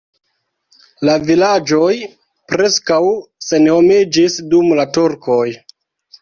La vilaĝoj preskaŭ senhomiĝis dum la turkoj.